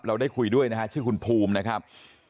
เราได้คุยด้วยนะฮะชื่อคุณภูมินะครับ